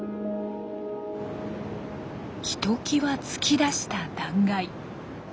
ひときわ突き出した断崖。